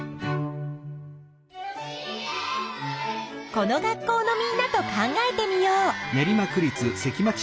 この学校のみんなと考えてみよう！